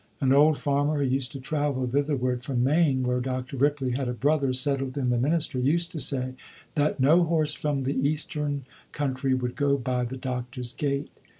An old farmer who used to travel thitherward from Maine, where Dr. Ripley had a brother settled in the ministry, used to say that "no horse from the Eastern country would go by the doctor's gate."